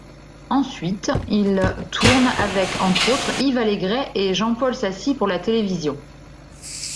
Ensuite, il tourne avec, entre autres, Yves Allégret et Jean-Paul Sassy pour la télévision.